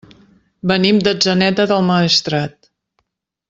Venim d'Atzeneta del Maestrat.